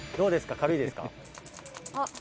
軽いですか？」